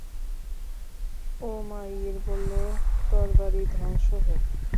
উমাইর বলল, তরবারী ধ্বংস হোক।